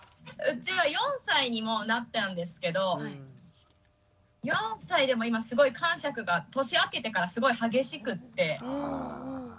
うちは４歳にもうなったんですけど４歳でも今すごいかんしゃくが年明けてからすごい激しくって。